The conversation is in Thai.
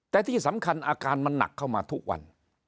แต่ที่สำคัญอาการมันหนักเข้ามาทุกวัน